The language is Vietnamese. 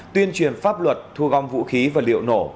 tuyên truyền pháp luật thu gom vũ khí và liệu nổ